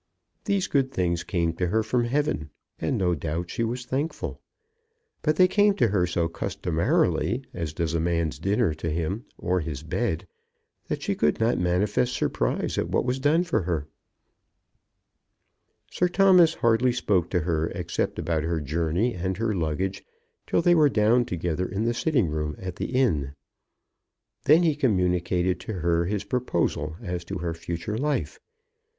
These good things came to her from heaven, and no doubt she was thankful. But they came to her so customarily, as does a man's dinner to him, or his bed, that she could not manifest surprise at what was done for her. [Illustration: Even the captain came to take a special farewell of her ...] Sir Thomas hardly spoke to her except about her journey and her luggage till they were down together in the sitting room at the inn. Then he communicated to her his proposal as to her future life.